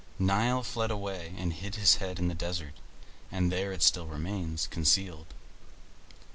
Nile fled away and hid his head in the desert, and there it still remains concealed.